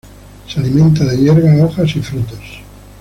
Se alimenta de hierba, hojas y frutos.